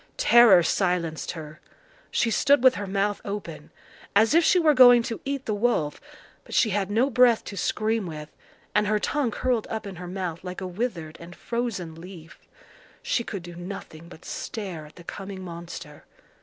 Terror silenced her. She stood with her mouth open, as if she were going to eat the wolf, but she had no breath to scream with, and her tongue curled up in her mouth like a withered and frozen leaf. She could do nothing but stare at the coming monster.